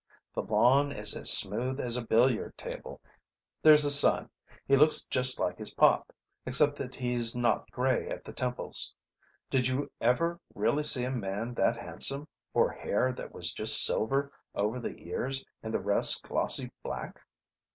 The lawn is as smooth as a billiard table. There's his son; he looks just like his pop, except that he's not grey at the temples. Did you ever really see a man that handsome, or hair that was just silver over the ears and the rest glossy black?